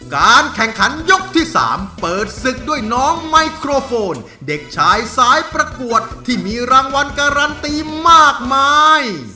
การแข่งขันยกที่๓เปิดศึกด้วยน้องไมโครโฟนเด็กชายสายประกวดที่มีรางวัลการันตีมากมาย